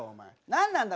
何なんだ？